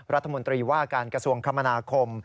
รัฐมนตรีว่าการกระทรวงคมนาคม